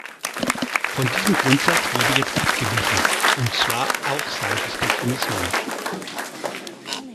Von diesem Grundsatz wurde jetzt abgewichen, und zwar auch seitens der Kommission.